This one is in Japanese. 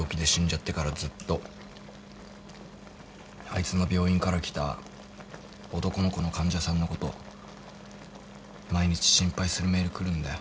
あいつの病院から来た男の子の患者さんのこと毎日心配するメール来るんだよ。